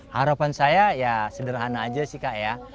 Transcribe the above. harapan saya ya sederhana aja sih kak ya